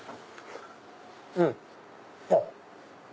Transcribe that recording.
うんあっ！